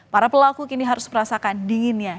para pelaku kini harus merasakan dinginnya